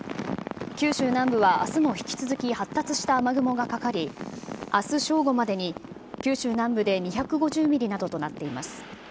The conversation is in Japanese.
九州南部はあすも引き続き発達した雨雲がかかり、あす正午までに九州南部で２５０ミリなどとなっています。